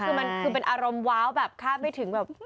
คือมันคือเป็นอารมณ์ว้าวแบบคาดไม่ถึงแบบ